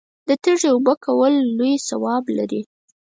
د تږي اوبه کول لوی ثواب لري.